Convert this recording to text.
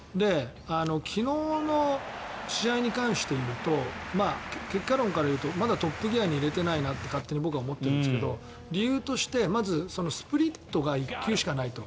昨日の試合に関していうと結果論からいうとまだトップギアに入れてないなと勝手に僕は思ってるんですけど理由としてまずスプリットが１球しかないと。